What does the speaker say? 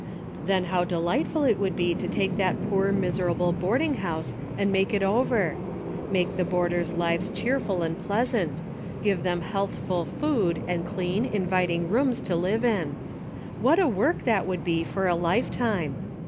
Then how delightful it would be to take that poor miser able boarding house and make it over. Make 48 DAILY bate:' the boarders' lives cheerful and pleasant, give them healthful food and clean, inviting rooms to live in ! What a work that would be for a lifetime